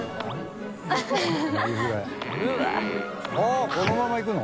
◆舛このままいくの？